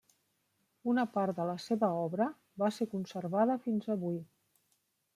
Una part de la seva obra va ser conservada fins avui.